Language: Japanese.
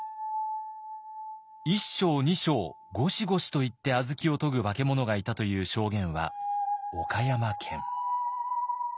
「一升二升ゴシゴシ」と言って小豆をとぐ化け物がいたという証言は岡山県。